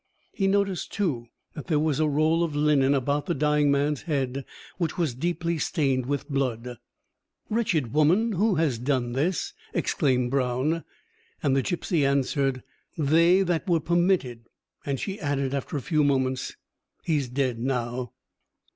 He noticed, too, that there was a roll of linen about the dying man's head, which was deeply stained with blood. "Wretched woman, who has done this?" exclaimed Brown. And the gipsy answered: "They that were permitted;" and she added after a few moments, "He's dead now."